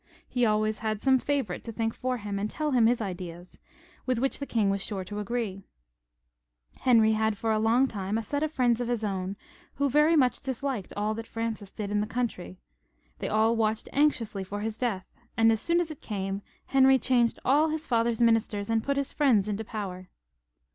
He always had some favourite to think for him and tell him his ideas, with which the king was sure to agree. Henry had for a long time a set of friends of his own, who very much disliked aU that Francis did in the country. They all watched anxiously for his death, and as soon as it came, Henry changed all his father's ministers and put his Mends into power.